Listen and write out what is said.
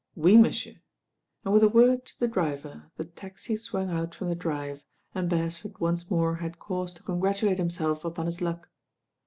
Oui, monsieur," and with a word to the driver the taxi swung out from the drive, and Beresford once more had cause to congratulate himself upon his luck.